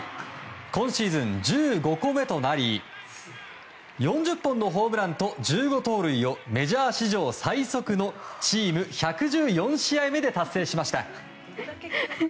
今シーズン１５個目となり４０本のホームランと１５盗塁をメジャー史上最速のチーム１１４試合目で達成しました。